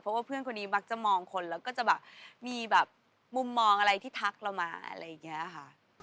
เพราะว่าเพื่อนคนนี้มักจะมองคนแล้วก็จะแบบมีแบบมุมมองอะไรที่ทักเรามาอะไรอย่างนี้ค่ะ